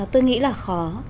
tôi nghĩ là khó